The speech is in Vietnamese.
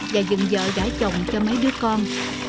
và dựng vợ gái chồng cho mấy đứa con